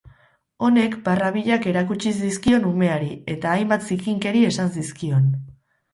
Honek barrabilak erakutsi zizkion umeari eta hainbat zikinkeri esan zizkion.